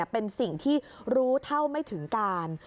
เป็นสิ่งที่รู้เท่าไม่ถึงการ